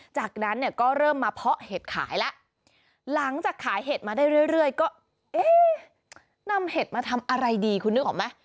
จากนั้นเนี่ยก็เริ่มมาเพาะเห็ดขายแล้วหลังจากขายเห็ดมาได้เรื่อยก็เอ๊ะนำเห็ดมาทำอะไรดีคุณนึกออกไหม